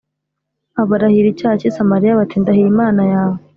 Abarahira icyaha cy’i Samariya bati ‘Ndahiye imana yawe